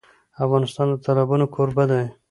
افغانستان د تالابونه کوربه دی.